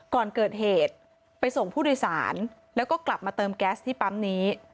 ก่อนเกิดเหตุไปส่งผู้โดยสารแล้วก็กลับมาเติมแก๊สที่ปั๊มนี้